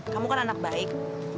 kamu kan anak baik